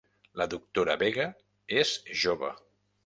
La doctora Vega és jove.